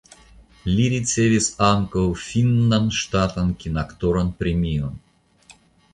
Li ricevis ankaŭ finnan ŝtatan kinaktoran premion.